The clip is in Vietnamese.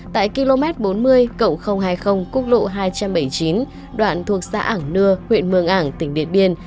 tại km bốn mươi hai mươi quốc lộ hai trăm bảy mươi chín đoạn thuộc xã ảng nưa huyện mường ảng tỉnh điện biên